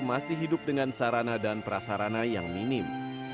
masih hidup dengan sarana dan prasarana yang minim